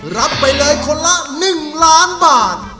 รับไปเลยคนละหนึ่งล้านบาท